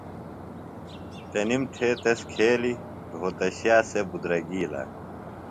تنِم تھےۡ تس کھیلیۡ رھوتشے سےۡ بِدرگیلہ۔